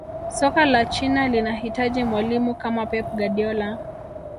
soka la china linahitaji mwalimu kama pep guardiola